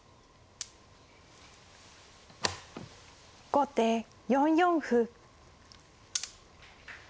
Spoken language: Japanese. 後手４四歩。